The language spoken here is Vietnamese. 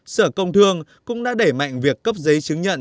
sở công thương cũng đã đẩy mạnh việc cấp giấy chứng nhận